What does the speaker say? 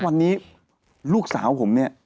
วันนี้ลูกสาวผมเนี่ย